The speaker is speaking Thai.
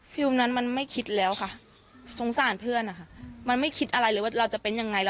นั้นมันไม่คิดแล้วค่ะสงสารเพื่อนนะคะมันไม่คิดอะไรเลยว่าเราจะเป็นยังไง